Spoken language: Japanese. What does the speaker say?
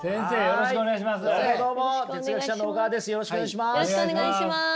よろしくお願いします。